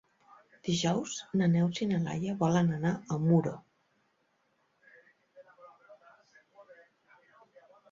Dijous na Neus i na Laia volen anar a Muro.